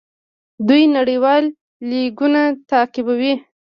دوی نړیوال لیګونه تعقیبوي.